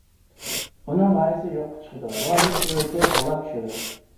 ئۇنىڭ غايىسى يوققا چىقىدۇ، روھىي تۈۋرۈكى غۇلاپ چۈشىدۇ.